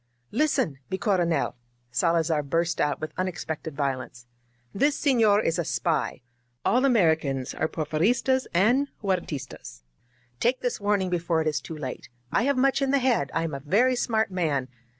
"Listen, mi Coronel, Salazar burst out with unex pected violence. "This sefior is a spy. All Americans are Porfiristas and Huertistas. Take this warning be fore it is too late. I have much in the head. I am a very smart man.